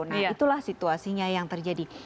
nah itulah situasinya yang terjadi